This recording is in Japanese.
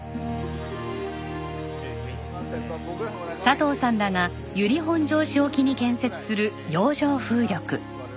佐藤さんらが由利本荘市沖に建設する洋上風力。